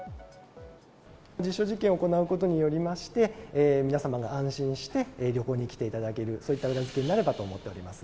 実証実験を行うことによりまして、皆様が安心して旅行に来ていただける、そういった裏付けになればと思っております。